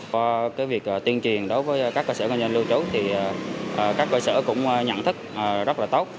cái việc tuyên truyền đối với các cơ sở nhân dân lưu trú thì các cơ sở cũng nhận thức rất là tốt